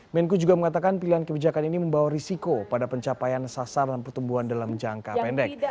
menku juga mengatakan pilihan kebijakan ini membawa risiko pada pencapaian sasaran pertumbuhan dalam jangka pendek